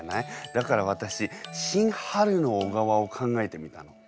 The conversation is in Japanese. だから私「シン・春の小川」を考えてみたの。